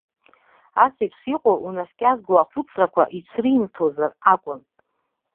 Ас еиԥш иҟоу, унаскьазго ахәыцрақәа иҽримҭозар акәын.